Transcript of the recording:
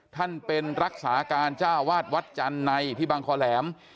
ท่านเป็นรักษาการเจ้าวาดวัดจันทร์ในที่บางคอแหลม